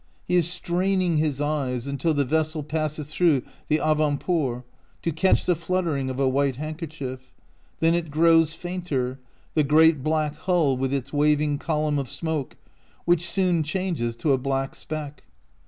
He is straining his eyes until the vessel passes through the avantport, to catch the flutter ing of a white handkerchief ; then it grows fainter, the great black hull with its waving column of smoke, which soon changes to a black speck.